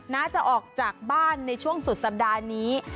น่าจะออกจากบ้านในช่วงสุดสัปดาห์นี้